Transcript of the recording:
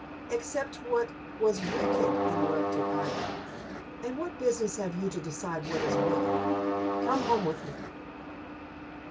"Except what was wicked," interrupted Ida. "And what business have you to decide what is wicked? Come home with me."